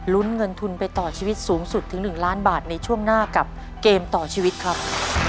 เงินทุนไปต่อชีวิตสูงสุดถึง๑ล้านบาทในช่วงหน้ากับเกมต่อชีวิตครับ